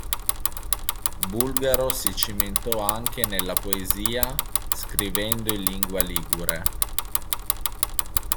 Bulgaro si cimentò anche nella poesia, scrivendo in lingua ligure.